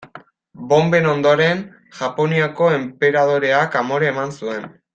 Bonben ondoren, Japoniako enperadoreak amore eman zuen.